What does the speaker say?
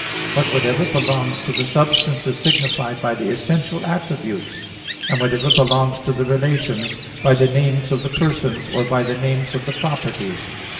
But whatever belongs to the substance is signified by the essential attributes; and whatever belongs to the relations, by the names of the persons, or by the names of the properties.